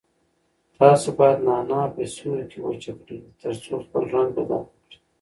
تاسو باید نعناع په سیوري کې وچ کړئ ترڅو خپل رنګ بدل نه کړي.